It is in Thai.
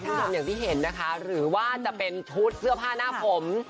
คุณผู้ชมอย่างที่เห็นนะคะหรือว่าจะเป็นชุดเสื้อผ้าหน้าผม